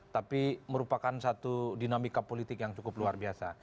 tapi merupakan satu dinamika politik yang cukup luar biasa